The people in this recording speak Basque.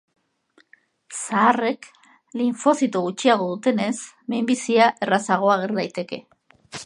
Zaharrek linfozito gutxiago dutenez, minbizia errazago ager daiteke.